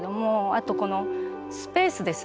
あとこのスペースですね。